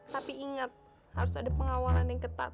tapi ingat harus ada pengawalan yang ketat